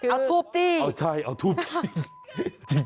เอาทูปจี้เอาใช่เอาทูปจี้